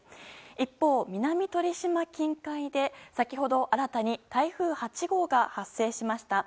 一方、南鳥島近海で先ほど新たに台風８号が発生しました。